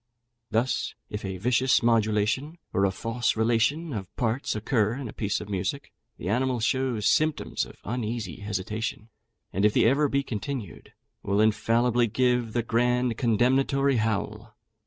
Thus, if a vicious modulation, or a false relation of parts, occur in a piece of music, the animal shows symptoms of uneasy hesitation; and if the error be continued, will infallibly give the grand condemnatory howl.